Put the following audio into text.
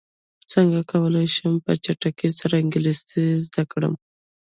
څنګه کولی شم په چټکۍ سره انګلیسي زده کړم